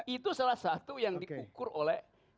itu salah satu yang diukur oleh ekonomis intelektual